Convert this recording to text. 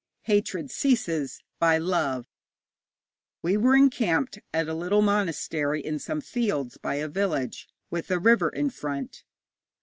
Hatred ceases by love.' Dammapada. We were encamped at a little monastery in some fields by a village, with a river in front.